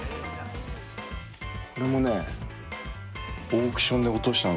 これもね。